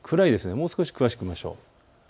もう少し詳しく見ましょう。